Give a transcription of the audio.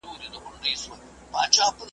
خپل تاریخ او کلتور ته درناوی وکړئ.